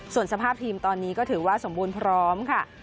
ส่วนสภาพทีมตอนนี้ก็ถือว่าสมบูรณ์พร้อมค่ะ